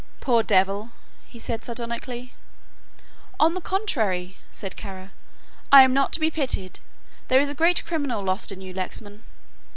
"Poor devil," he said sardonically. "On the contrary," said Kara, "I am not to be pitied. There is a great criminal lost in you, Lexman."